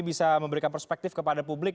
bisa memberikan perspektif kepada publik